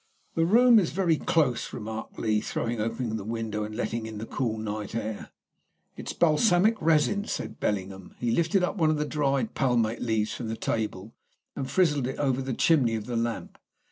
"The room is very close," remarked Lee, throwing open the window and letting in the cool night air. "It's balsamic resin," said Bellingham. He lifted up one of the dried palmate leaves from the table and frizzled it over the chimney of the lamp.